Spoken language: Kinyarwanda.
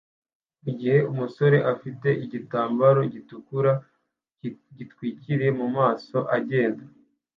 mu gihe umusore ufite igitambaro gitukura gitwikiriye mu maso agenda